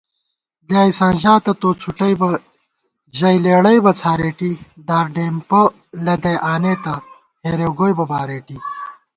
بلیائساں ژاتہ توڅھُوٹئبہ ژَئی لېڑَئبہ څھارېٹی دار ڈېمپہ لَدَئی آنېتہ ہېریؤ گوئیبہ بارېٹی